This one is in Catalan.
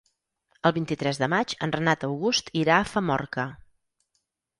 El vint-i-tres de maig en Renat August irà a Famorca.